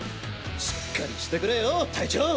しっかりしてくれよ隊長。